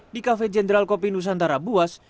di kafe jenderal kopi nusantara buas